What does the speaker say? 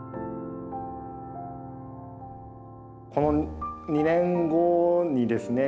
この２年後にですね